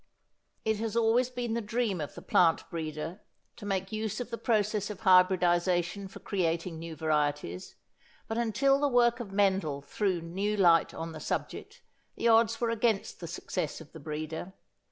It has always been the dream of the plant breeder to make use of the process of hybridisation for creating new varieties, but until the work of Mendel threw new light on the subject the odds were against the success of the breeder.